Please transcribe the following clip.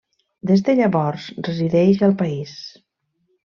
Des de llavors resideix al país.